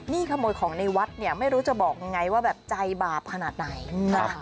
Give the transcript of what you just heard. นี่ขโมยของในวัดเนี่ยไม่รู้จะบอกยังไงว่าแบบใจบาปขนาดไหนค่ะ